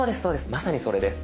まさにそれです。